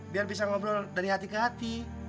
biar bisa ngobrol dari hati ke hati